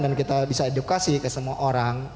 dan kita bisa edukasi ke semua orang